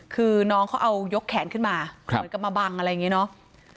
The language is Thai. คือน้องเขาเอายกแขนขึ้นมาเหมือนกับมาบังอะไรอย่างนี้เนาะ